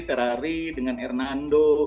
ferrari dengan hernando